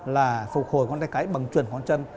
là phục hồi ngón tay cái bằng chuyển ngón chân